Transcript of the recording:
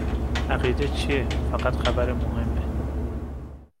عقیده چیه؟ فقط خبر مهمه